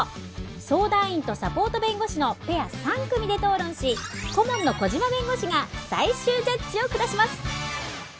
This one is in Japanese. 相談員とサポート弁護士のペア３組で討論し顧問の小島弁護士が最終ジャッジを下します